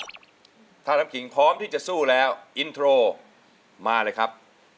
ถ้าน้ำขิงพร้อมที่จะสู้แล้วอินโทรมาเลยครับ